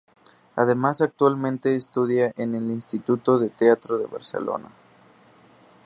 Además, actualmente estudia en el Institut del Teatre de Barcelona.